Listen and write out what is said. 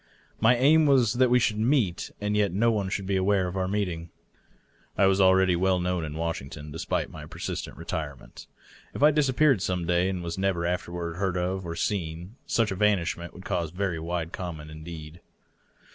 My aim was that we should meet and yet that no one should be aware of our meeting. I was already well known in Washington, despite my persistent retirement. If I disappeared, some day, and was never afterward heard of or seen, such evanishment would cause very wide comment indeed.